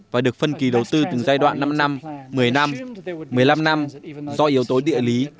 và được phân kỳ đầu tư từng giai đoạn năm năm một mươi năm một mươi năm năm do yếu tố địa lý